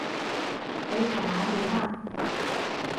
你琴晚點啊？